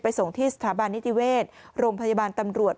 ส่งที่สถาบันนิติเวชโรงพยาบาลตำรวจ